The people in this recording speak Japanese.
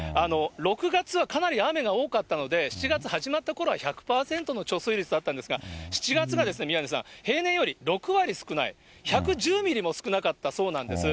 ６月はかなり雨が多かったので、７月始まったころは１００％の貯水率だったんですが、７月が宮根さん、平年より６割少ない、１１０ミリも少なかったそうなんです。